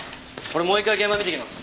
俺もう１回現場見てきます。